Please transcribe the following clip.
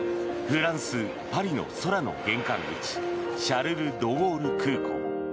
フランス・パリの空の玄関口シャルル・ドゴール空港。